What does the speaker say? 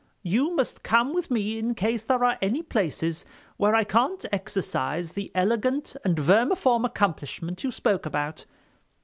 "You must come with me in case there are any places where I can't exercise the elegant and vermiform accomplishment you spoke about.